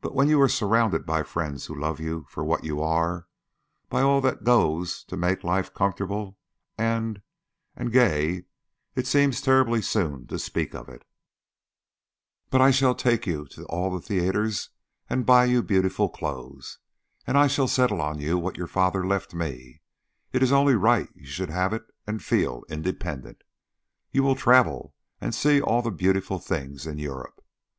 "But when you are surrounded by friends who love you for what you are, by all that goes to make life comfortable and and gay; it seems terribly soon to speak of it, but I shall take you to all the theatres and buy you beautiful clothes, and I shall settle on you what your father left me: it is only right you should have it and feel independent. You will travel and see all the beautiful things in Europe.